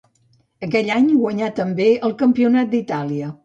Aquell any guanyà també el Campionat d'Itàlia.